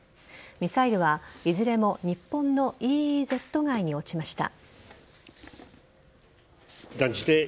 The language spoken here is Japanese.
ミサイルは、いずれも日本のＥＥＺ外に落ちました。